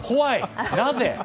なぜ？